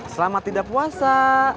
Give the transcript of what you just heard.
selamat tidak puasa